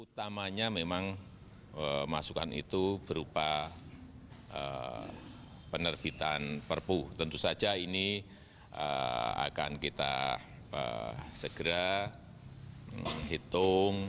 pertama masukan itu berupa penerbitan perbu tentu saja ini akan kita segera menghitung